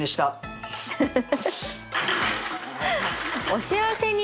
お幸せに。